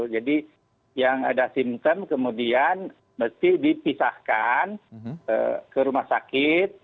jadi yang ada simptom kemudian mesti dipisahkan ke rumah sakit